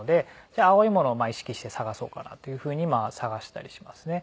じゃあ青いものを意識して探そうかなというふうに探したりしますね。